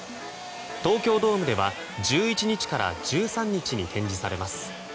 東京ドームでは１１日から１３日に展示されます。